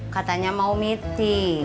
katanya mau meeting